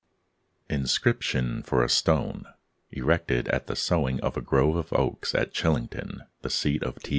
INSCRIPTION FOR A STONE ERECTED AT THE SOWING OF A GROVE OF OAKS AT CHILLINGTON, THE SEAT OF T.